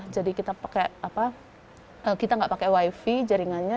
jadi kita tidak pakai wifi jaringannya